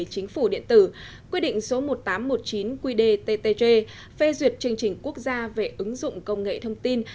chính phủ điện tử quy định số một nghìn tám trăm một mươi chín qdttg phê duyệt chương trình quốc gia về ứng dụng công nghệ thông tin